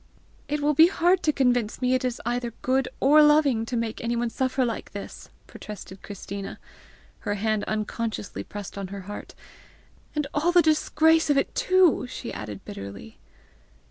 "It will be hard to convince me it is either good or loving to make anyone suffer like this!" protested Christina, her hand unconsciously pressed on her heart; " and all the disgrace of it too!" she added bitterly.